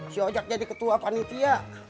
si ojak jadi ketua panitia